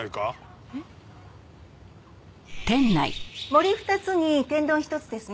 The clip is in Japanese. もり２つに天丼１つですね。